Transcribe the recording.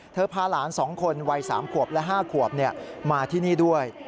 พาหลาน๒คนวัย๓ขวบและ๕ขวบมาที่นี่ด้วย